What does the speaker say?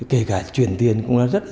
kể cả chuyển tiền cũng rất là